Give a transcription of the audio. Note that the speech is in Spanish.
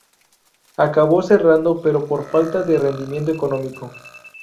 Acabó cerrando, pero, por falta de rendimiento económico.